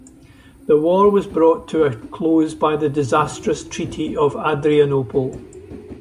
The war was brought to a close by the disastrous Treaty of Adrianople.